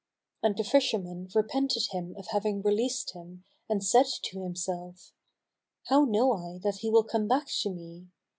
And the fisherman repented him of having released him and said to himself, "How know I that he will come back to me?